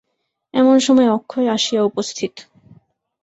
এমন সময় অক্ষয় আসিয়া উপস্থিত।